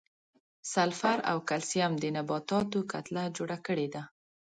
سلفر او کلسیم د نباتاتو کتله جوړه کړې ده.